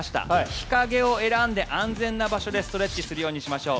日陰を選んで安全な場所でストレッチをするようにしましょう。